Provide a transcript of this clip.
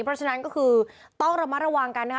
เพราะฉะนั้นก็คือต้องระมัดระวังกันนะคะ